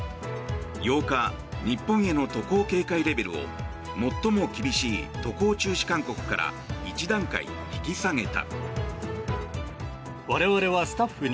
８日、日本への渡航警戒レベルを最も厳しい渡航中止勧告から１段階、引き下げた。